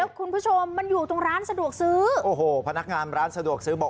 คุณผู้ชมมันอยู่ตรงร้านสะดวกซื้อโอ้โหพนักงานร้านสะดวกซื้อบอก